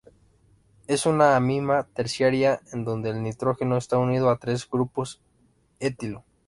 Es una amina terciaria en donde el nitrógeno está unido a tres grupos etilo.